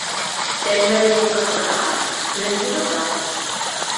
Тәлмәрйен ҡысҡырһа, көн йылыта.